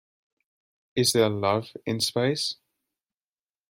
Is There Love in Space?